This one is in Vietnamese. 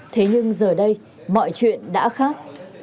thế nhưng giờ đây mọi chuyện đã khác